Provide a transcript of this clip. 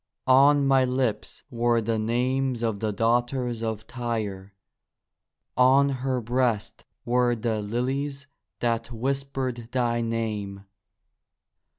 On my lips were the names of the daughters of Tyre, On her breast were the lilies that whispered thy name.